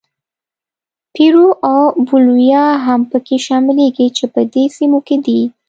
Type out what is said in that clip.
پیرو او بولیویا هم پکې شاملېږي چې په دې سیمو کې دي.